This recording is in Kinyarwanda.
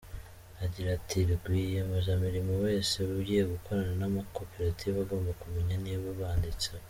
Agira ati “Rwiyemezamirimo wese ugiye gukorana n’amakoperative agomba kumenya niba banditse.